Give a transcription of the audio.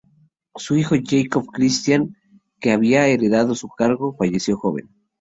Su hijo Jakob Christian, que había heredado su cargo, falleció joven.